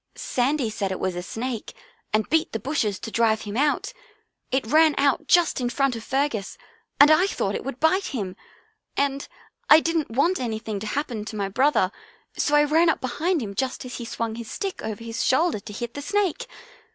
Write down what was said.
Sandy said it was a snake and beat the bushes to drive him out. It ran out just in front of Fergus and I thought it would bite him, and I didn't want anything to happen to my brother so I ran up behind him just as he swung his stick over his shoulder to hit the snake.